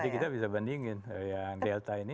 jadi kita bisa bandingin yang delta ini